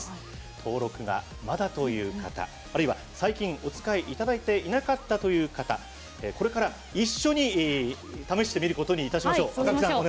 登録がまだの方、あるいは最近お使いいただいていなかった方これから一緒に試してみましょう。